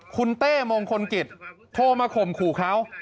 คุณเต้มงคลกิจโทรมาข่มขู่เขา